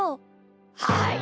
はい。